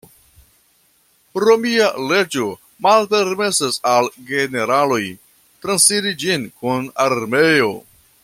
Romia leĝo malpermesis al generaloj transiri ĝin kun armeo.